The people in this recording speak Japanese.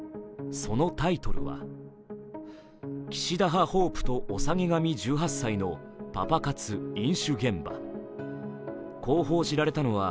そのタイトルは「岸田派ホープとおさげ髪１８歳のパパ活飲酒現場」こう報じられたのは